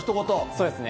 そうですね。